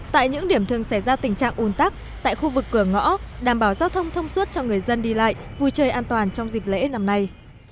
tại những điểm thường xảy ra tình trạng un tắc tại khu vực cửa ngõ đảm bảo giao thông thông suốt cho người dân đi lại vui chơi an toàn trong dịp lễ năm nay